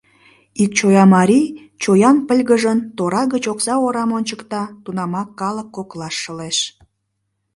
Ик чоя марий, чоян пыльгыжын, тора гыч окса орам ончыкта, тунамак калык коклаш шылеш.